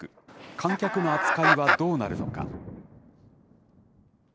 観客の扱いはどうなるのか。